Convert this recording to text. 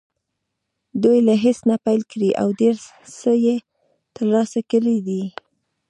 دوی له هېڅ نه پیل کړی او ډېر څه یې ترلاسه کړي دي